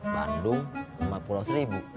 bandung sama pulau seribu